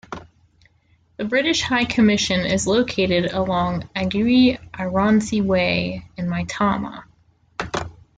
The British High Commission is located along Aguiyi Ironsi Way, in Maitama.